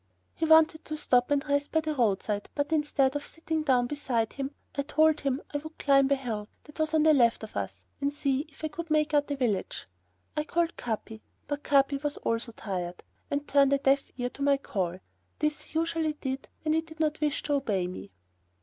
He wanted to stop and rest by the roadside, but instead of sitting down beside him, I told him that I would climb a hill that was on the left of us and see if I could make out a village. I called Capi, but Capi also was tired, and turned a deaf ear to my call; this he usually did when he did not wish to obey me.